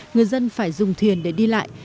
người dân phải dùng thuyền để đi lại